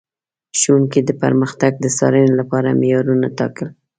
ښوونکي د پرمختګ د څارنې لپاره معیارونه ټاکل.